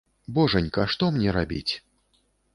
Божанька, што мне рабіць?